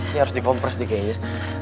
ini harus dikompres nih kayaknya